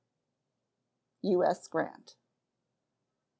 U.S. GRANT.